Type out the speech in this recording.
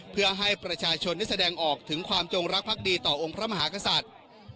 เพื่อให้ประชาชนได้แสดงออกถึงความจงรักภักดีต่อองค์พระมหากษัตริย์